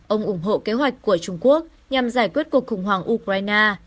ông ủng hộ kế hoạch của trung quốc nhằm giải quyết cuộc khủng hoảng ukraine